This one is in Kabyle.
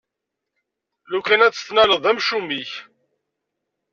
Lukan ad t-tennaleḍ, d amcum-ik!